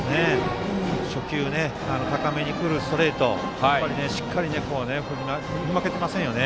初球高めに来たストレートにしっかり振って振り負けてませんよね。